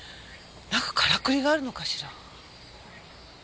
なんかからくりがあるのかしら？